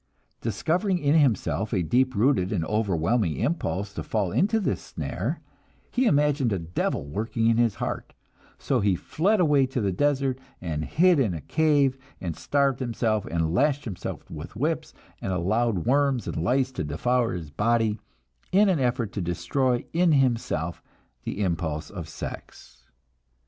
Discovering in himself a deep rooted and overwhelming impulse to fall into this snare, he imagined a devil working in his heart; so he fled away to the desert, and hid in a cave, and starved himself, and lashed himself with whips, and allowed worms and lice to devour his body, in the effort to destroy in himself the impulse of sex.